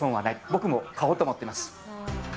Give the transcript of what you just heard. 僕も買おうと思っています。